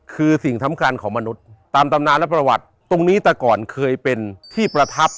คือสิ่งสำคัญของมนุษย์ตามตำนานและประวัติตรงนี้แต่ก่อนเคยเป็นที่ประทับ